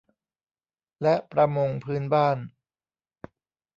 และประมงพื้นบ้าน